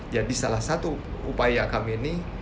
jadi salah satu upaya kami ini